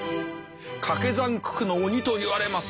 掛け算九九の鬼といわれます